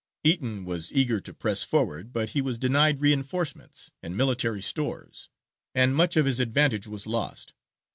Eaton was eager to press forward, but he was denied reinforcements and military stores, and much of his advantage was lost.